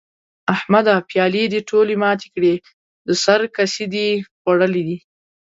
احمده؛ پيالې دې ټولې ماتې کړې؛ د سر کسي دې خوړلي دي؟!